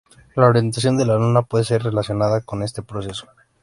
La orientación de la Luna puede estar relacionada con este proceso.